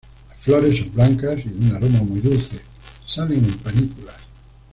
Las flores son blancas y de un aroma muy dulce, salen en panículas.